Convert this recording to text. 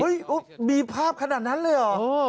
มีภาพขนาดนั้นเลยเหรอ